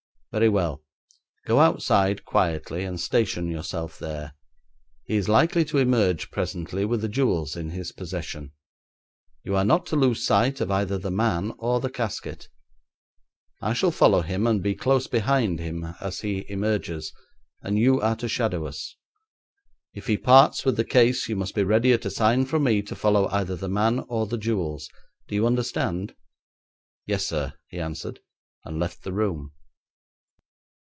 'Very well. Go outside quietly, and station yourself there. He is likely to emerge presently with the jewels in his possession. You are not to lose sight of either the man or the casket. I shall follow him and be close behind him as he emerges, and you are to shadow us. If he parts with the case you must be ready at a sign from me to follow either the man or the jewels. Do you understand?' 'Yes, sir,' he answered, and left the room.